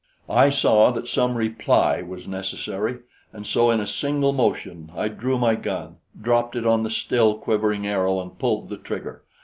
I saw that some reply was necessary, and so in a single motion, I drew my gun, dropped it on the still quivering arrow and pulled the trigger.